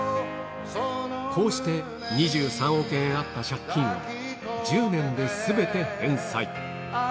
こうして２３億円あった借金を１０年ですべて返済。